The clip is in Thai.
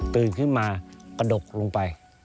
ตื่นขึ้นมากระดกลงไป